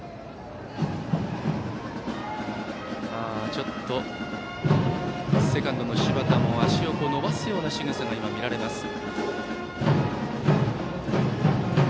ちょっとセカンドの柴田も足を伸ばすようなしぐさが見られました。